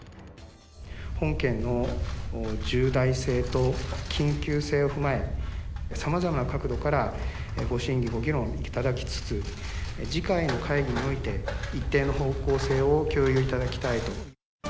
本件の重大性と緊急性を踏まえ、さまざまな角度からご審議、ご議論いただきつつ、次回の会議において、一定の方向性を共有いただきたいと。